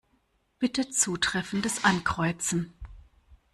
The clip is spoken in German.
Bitte Zutreffendes ankreuzen.